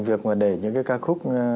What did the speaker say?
việc mà để những cái ca khúc